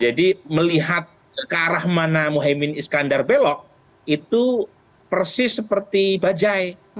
jadi melihat ke arah mana muhaymin iskandar belok itu persis seperti bajai